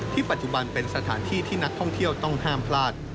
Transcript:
ปัจจุบันเป็นสถานที่ที่นักท่องเที่ยวต้องห้ามพลาด